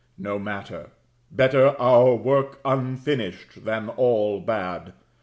No matter: better our work unfinished than all bad.